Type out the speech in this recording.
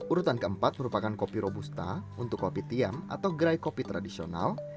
urutan keempat merupakan kopi robusta untuk kopi tiam atau gerai kopi tradisional